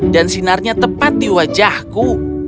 dan sinarnya tepat di wajahku